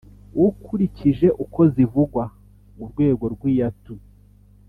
Ukurikije uko zivugwa (urwego rw’iyatu),